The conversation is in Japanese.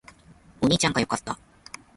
お兄ちゃんが良かった